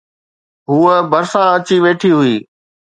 هوءَ ڀرسان اچي ويٺي هئي